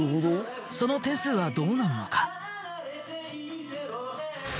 その点数はどうなるのか？